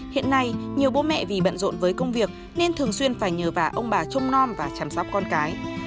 hiện nay nhiều bố mẹ vì bận rộn với công việc nên thường xuyên phải nhờ vào ông bà trông non và chăm sóc con cái